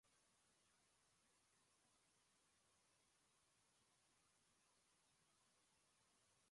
এরপর থেকে সুপ্রিম কোর্টের মাধ্যমে নির্বাচিত প্রধানমন্ত্রীকে সরানো রীতিতে পরিণত হয়েছে।